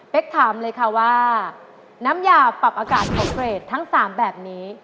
ถามเลยค่ะว่าน้ำยาปรับอากาศของเกรดทั้ง๓แบบนี้